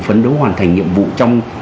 phấn đấu hoàn thành nhiệm vụ trong